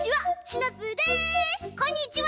こんにちは！